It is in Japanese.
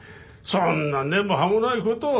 そんな根も葉もない事を。